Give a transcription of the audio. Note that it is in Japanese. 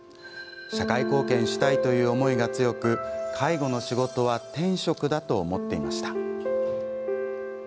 社会貢献したいという思いが強く介護の仕事は天職だと思っていました。